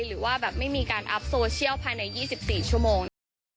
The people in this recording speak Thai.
หรือว่าแบบไม่มีการอัพโซเชียลภายใน๒๔ชั่วโมงนะคะ